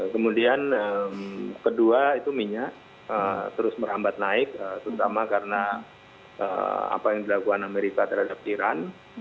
kemudian kedua itu minyak terus merambat naik terutama karena apa yang dilakukan amerika terhadap iran